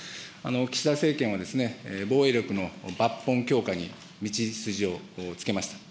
岸田政権は、防衛力の抜本強化に道筋をつけました。